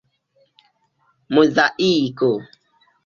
muzaiko